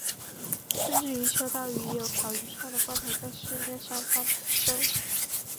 甚至于秋刀鱼也有烤鱼串的罐头在市面上贩售。